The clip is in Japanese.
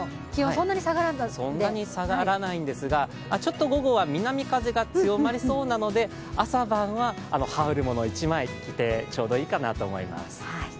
そんなに下がらないんですが、午後は南風が強まりそうなので朝晩は羽織るものを１枚着てちょうどいいかなと思います。